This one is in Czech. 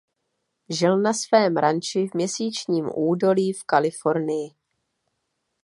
Žil na svém ranči v "Měsíčním údolí" v Kalifornii.